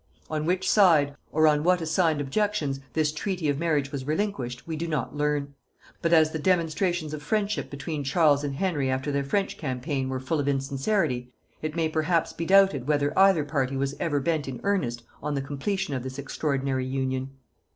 On which side, or on what assigned objections, this treaty of marriage was relinquished, we do not learn; but as the demonstrations of friendship between Charles and Henry after their French campaign were full of insincerity, it may perhaps be doubted whether either party was ever bent in earnest on the completion of this extraordinary union.